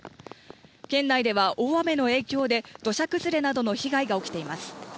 県内では大雨の影響で土砂崩れなどの被害が起きています。